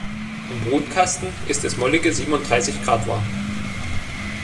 Im Brutkasten ist es mollige siebenunddreißig Grad warm.